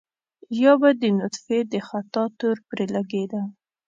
يا به د نطفې د خطا تور پرې لګېده.